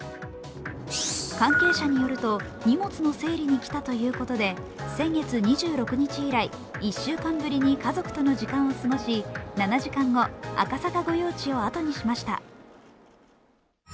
関係者によると荷物の整理に来たということで先月２６日以来１週間ぶりに家族との時間を過ごし７時間後、赤坂御用地を後にしました。